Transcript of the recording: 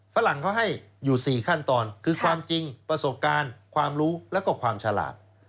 ฝรั่งเขาให้อยู่๔ขั้นตอนคือความจริงประสบการณ์ความรู้แล้วก็ความฉลาด